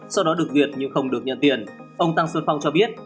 sau đó được duyệt nhưng không được nhận tiền ông tăng xuân phong cho biết